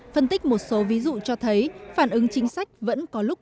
phân tích một số ví dụ cho thấy phản ứng chính sách vẫn có lúc